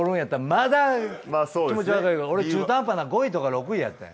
俺中途半端な５位とか６位やってん。